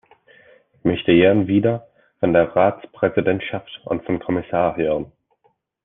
Ich möchte gern wieder von der Ratspräsidentschaft und vom Kommissar hören.